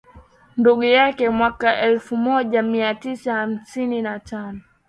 ndugu yake mwaka elfumoja miatisa hamsini na tano